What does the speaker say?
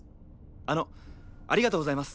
あのありがとうございます。